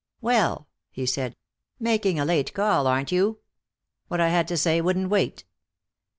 "Well!" he said. "Making a late call, aren't you?" "What I had to say wouldn't wait."